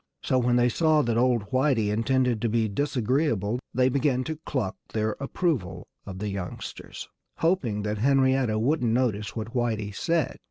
So when they saw that old Whitey intended to be disagreeable they began to cluck their approval of the youngsters, hoping that Henrietta wouldn't notice what Whitey said.